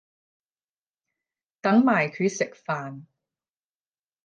等埋佢食飯